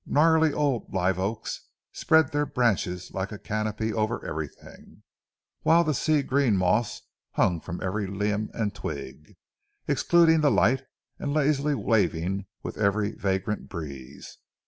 Gnarly old live oaks spread their branches like a canopy over everything, while the sea green moss hung from every limb and twig, excluding the light and lazily waving with every vagrant breeze.